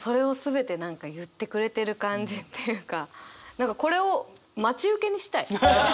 何かこれを待ち受けにしたい。